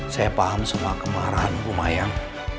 saya paham semua kemarahan bu mayang